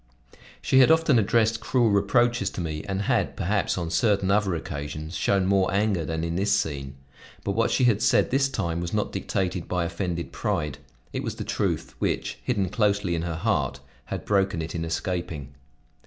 She had often addressed cruel reproaches to me and had, perhaps, on certain other occasions shown more anger than in this scene; but what she had said this time was not dictated by offended pride; it was the truth, which, hidden closely in her heart, had broken it in escaping.